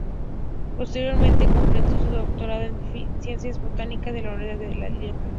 Posteriormente completó su doctorado en Ciencias Botánicas en la Universidad de Lieja.